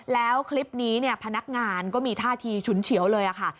แล้วคลิปนี้เนี่ยพนักงานก็มีท่าทีฉุนเฉียวเลยค่ะ